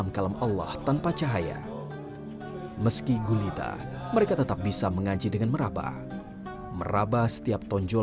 nah para tersumpil